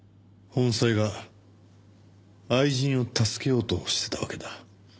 本妻が愛人を助けようとしてたわけだ。